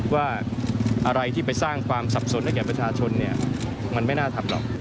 ว่าอะไรที่ไปสร้างความสับสนให้แก่ประชาชนเนี่ยมันไม่น่าทำหรอก